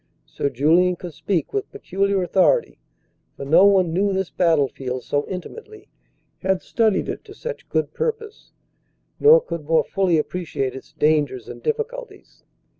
Sir Julian could speak with peculiar authority, for no one knew this battlefield so intimately, had studied it to such good purpose, nor could more fully appreciate its dangers and difficulties.